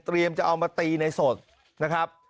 เตรียมจะเอามาตีในสดนะครับ